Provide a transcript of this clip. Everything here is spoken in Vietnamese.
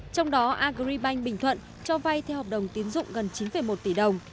trong đó agribank bình thuận cho vay theo hợp đồng tiến dụng gần chín một tỷ đồng